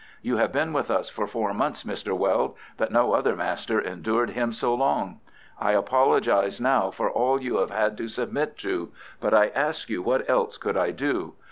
You have been with us for four months, Mr. Weld, but no other master endured him so long. I apologize now for all you have had to submit to, but I ask you what else could I do?